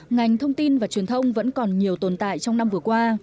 ngành thông tin và truyền thông vẫn còn nhiều tồn tại trong năm vừa qua